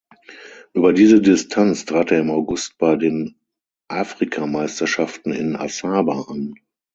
Über diese Distanz trat er im August bei den Afrikameisterschaften in Asaba an.